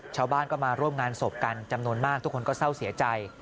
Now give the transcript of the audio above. ชาวบ้านก็มาร่วมงานศพกันจำนวนมากทุกคนก็เศร้าเสียใจ